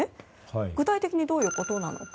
具体的にどういうことなのか。